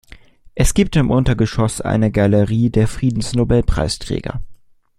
Es gibt im Untergeschoss eine Galerie der Friedensnobelpreisträger.